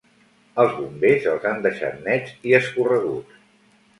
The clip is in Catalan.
Els bombers els han deixat nets i escorreguts.